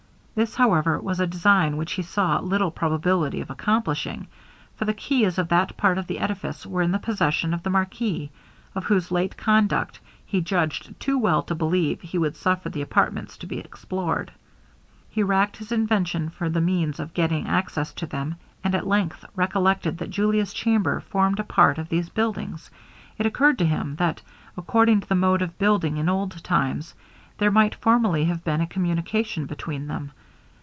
This, however, was a design which he saw little probability of accomplishing, for the keys of that part of the edifice were in the possession of the marquis, of whose late conduct he judged too well to believe he would suffer the apartments to be explored. He racked his invention for the means of getting access to them, and at length recollected that Julia's chamber formed a part of these buildings, it occurred to him, that according to the mode of building in old times, there might formerly have been a communication between them.